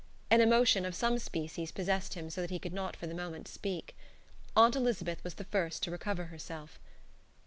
An emotion of some species possessed him so that he could not for the moment speak. Aunt Elizabeth was the first to recover herself.